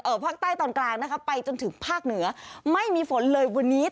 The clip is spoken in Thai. ภาคใต้ตอนกลางนะคะไปจนถึงภาคเหนือไม่มีฝนเลยวันนี้